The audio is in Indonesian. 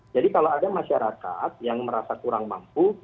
jadi kalau ada masyarakat yang merasa kurang mampu